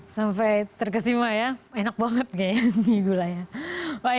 sampai terkesima ya enak banget kayaknya gulanya